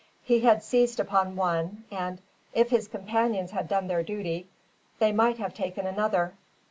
He had seized upon one, and, if his companions had done their duty, they might have taken another.